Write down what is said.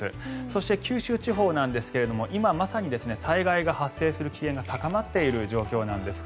そして九州地方なんですが今まさに災害が発生する危険が高まっている状況なんです。